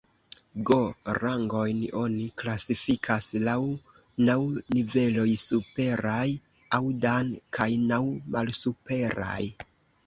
Go-rangojn oni klasifikas laŭ naŭ niveloj superaj, aŭ "Dan", kaj naŭ malsuperaj.